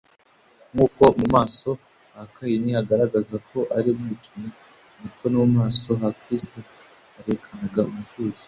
nk’uko mu maso ha kayini hagaragazaga ko ari umwicanyi, ni ko no mu maso ha kristo herekanaga umutuzo,